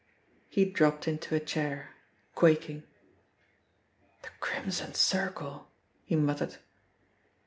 He dropped into a chair, quaking. "The Crimson Circle," he muttered.